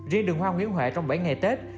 riêng đường hoa nguyễn huệ trong bảy ngày tết